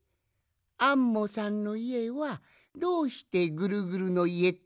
「アンモさんのいえはどうしてぐるぐるのいえっていうんですか」？